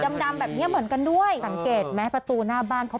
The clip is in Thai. ดำดำแบบเนี้ยเหมือนกันด้วยสังเกตไหมประตูหน้าบ้านเขา